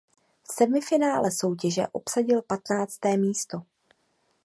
V semifinále soutěže obsadil patnácté místo.